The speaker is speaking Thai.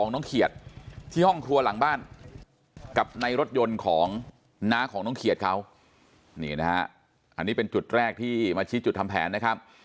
น้องเขียดที่ห้องครัวหลังบ้านกับในรถยนต์ของน้าของน้องเขียดเขานี่นะฮะอันนี้เป็นจุดแรกที่มาชี้จุดทำแผนนะครับ